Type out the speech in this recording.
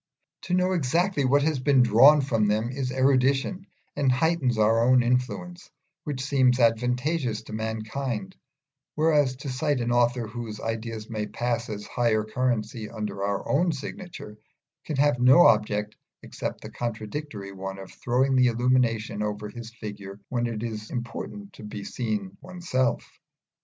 To know exactly what has been drawn from them is erudition and heightens our own influence, which seems advantageous to mankind; whereas to cite an author whose ideas may pass as higher currency under our own signature can have no object except the contradictory one of throwing the illumination over his figure when it is important to be seen oneself.